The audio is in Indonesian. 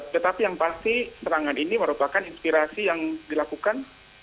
tetapi yang pasti serangan ini merupakan inspirasi yang dilakukan